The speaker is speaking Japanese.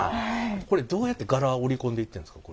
これどうやって柄織り込んでいってんですか？